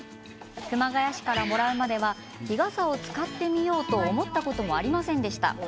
熊谷市からもらうまでは日傘を使ってみようと思ったこともありませんでした。